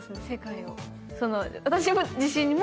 私自身も。